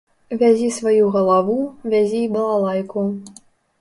Вязі сваю галаву, вязі і балалайку.